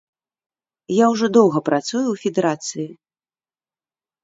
Я ўжо доўга працую ў федэрацыі.